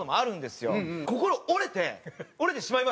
心折れて折れてしまいました。